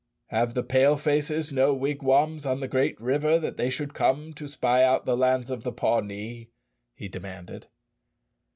"Have the Pale faces no wigwams on the great river that they should come to spy out the lands of the Pawnee?" he demanded.